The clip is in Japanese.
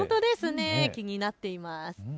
気になっています。